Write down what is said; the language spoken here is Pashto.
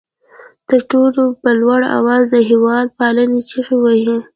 تر ټولو په لوړ آواز د هېواد پالنې چغې وهي.